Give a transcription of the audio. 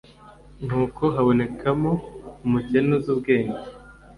Nuko habonekamo umukene uzi ubwenge